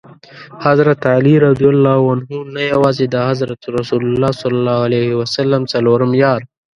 حضرت علي رض نه یوازي د حضرت رسول ص څلورم یار.